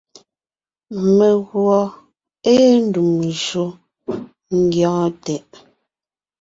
Meguɔ ée ndùm njÿó ńgyɔ́ɔn tɛʼ.